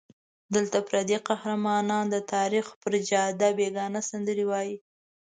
دلته پردي قهرمانان د تاریخ پر جاده بېګانه سندرې وایي.